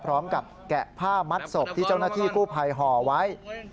แกะผ้ามัดศพที่เจ้าหน้าที่กู้ภัยห่อไว้